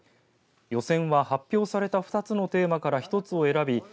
予選は発表された２つのテーマから１つを選び